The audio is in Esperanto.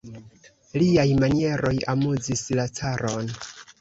Liaj manieroj amuzis la caron.